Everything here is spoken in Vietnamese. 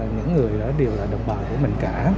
những người đó đều là đồng bào của mình cả